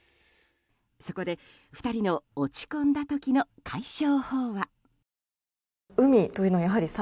そこで、２人の落ち込んだ時の解消法は。